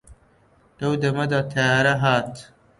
لەو دەمەدا تەیارە هات